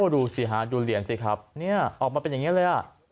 ดูสิฮะดูเหรียญสิครับเนี่ยออกมาเป็นอย่างนี้เลย